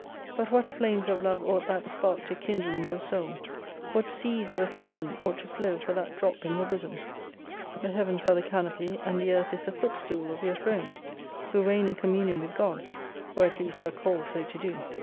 But what flames of love ought that spark to kindle in your soul : what seas of affection ought to flow for that drop in your bosom ! The heavens are the canopy, and the earth is the footstool of your throne : who reign in communion with God : or at least are called so to do.